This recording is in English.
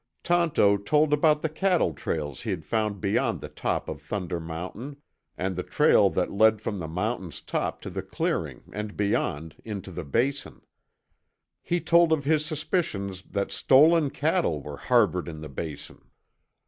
Tonto told about the cattle trails he'd found beyond the top of Thunder Mountain, and the trail that led from the mountain's top to the clearing and beyond into the Basin. He told of his suspicions that stolen cattle were harbored in the Basin.